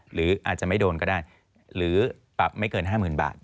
หรืออาจจะไม่โดนก็ได้หรือปรับไม่เกิน๕๐๐๐บาท